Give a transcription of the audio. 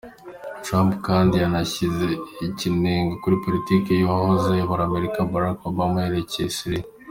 Trump kandi yanashyize ikinegu kuri politiki y’uwahoze ayobora Amerika, Barack Obama yerekeye Syria.